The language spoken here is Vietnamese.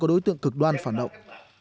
có đối tượng cực đoan phản động